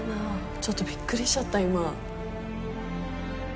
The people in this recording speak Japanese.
ちょっとびっくりしちゃった、今。